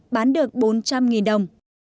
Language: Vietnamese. bán được bốn trăm linh đồng